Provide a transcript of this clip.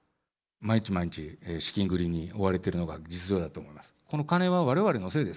毎日毎日、資金繰りに追われているのが実情だと思います。